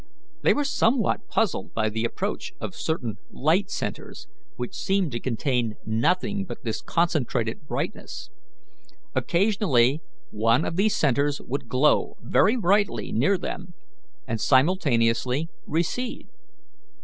They were somewhat puzzled by the approach of certain light centres, which seemed to contain nothing but this concentrated brightness. Occasionally one of these centres would glow very brightly near them, and simultaneously recede.